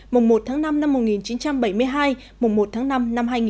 mùng một tháng năm năm một nghìn chín trăm bảy mươi hai mùng một tháng năm năm hai nghìn hai mươi